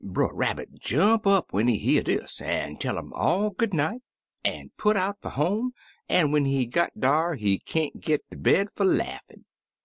Brer Rab bit jump up when he hear dis, an' tell um all good night, an' put out fer home, an' when he git dar he can't git ter bed fer laughin'.